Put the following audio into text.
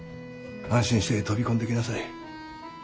安心して飛び込んできなさい。